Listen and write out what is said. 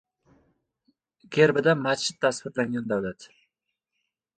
Gerbida masjid tasvirlangan davlat